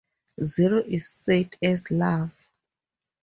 Zero is said as 'love'.